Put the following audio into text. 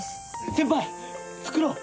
先輩作ろう！